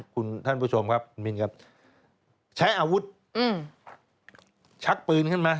คุณท่านผู้ชมครับคุณมินครับใช้อาวุธชักปืนขึ้นมา